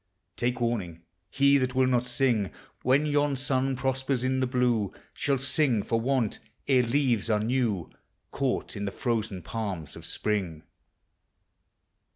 Take warning! he that will not sing When yon sun prospers in the blue, Shall sing for want, ere leaves are new, Caught in the frozen palms of Spring.